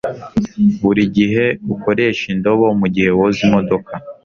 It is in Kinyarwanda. buri gihe ukoreshe indobo mugihe woza imodoka